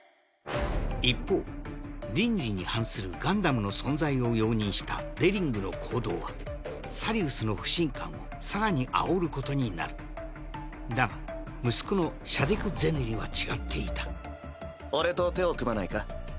一方倫理に反するガンダムの存在を容認したデリングの行動はサリウスの不信感を更にあおることになるだが息子のシャディク・ゼネリは違っていた俺と手を組まないか？